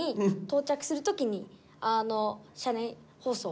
到着する時の車内放送。